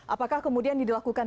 apakah kemudian dilakukan